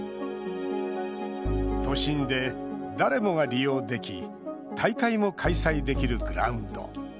都心で、誰もが利用でき大会も開催できるグラウンド。